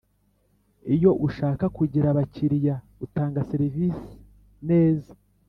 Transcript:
iyo ushaka kugira abakiriya utanga serivisi neza